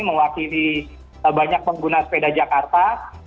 mewakili banyak pengguna sepeda jakarta